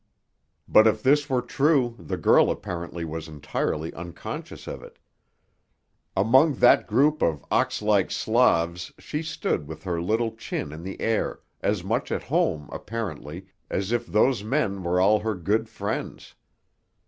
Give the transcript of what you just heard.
But if this were true the girl apparently was entirely unconscious of it. Among that group of ox like Slavs she stood with her little chin in the air, as much at home, apparently, as if those men were all her good friends.